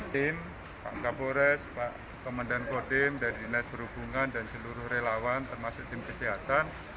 tim pak kapolres pak komandan kodim dari dinas perhubungan dan seluruh relawan termasuk tim kesehatan